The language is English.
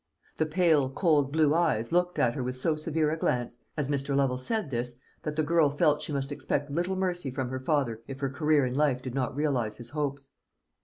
The pale cold blue eyes looked at her with so severe a glance, as Mr. Lovel said this, that the girl felt she must expect little mercy from her father if her career in life did not realise his hopes.